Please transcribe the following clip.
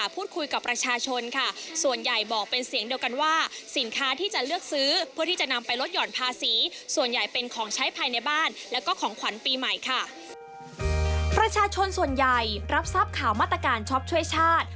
ประชาชนส่วนใหญ่รับทราบข่าวมาตรการช็อปช่วยชาติ